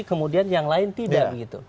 kemudian yang lain tidak